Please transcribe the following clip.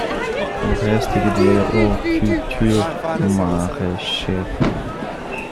Le reste est dédié aux cultures maraîchères.